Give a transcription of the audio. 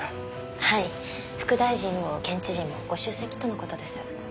はい副大臣も県知事もご出席とのことです。